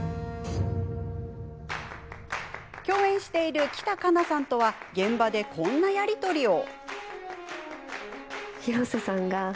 共演している北香那さんとは現場で、こんなやり取りを。